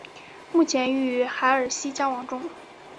目前与海尔希交往中。